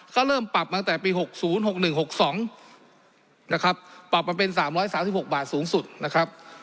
ก็เริ่มปรับมาตั้งแต่ปี๖๐๖๑๖๒นะครับปรับมาเป็น๓๓๖บาทสูงสุดนะครับ